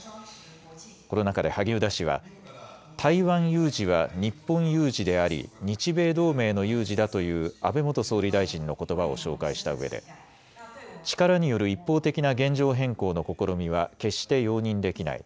この中で萩生田氏は台湾有事は日本有事であり日米同盟の有事だという安倍元総理大臣のことばを紹介したうえで力による一方的な現状変更の試みは決して容認できない。